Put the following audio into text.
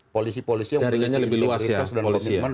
polisi polisi yang memiliki kritis dan komitmen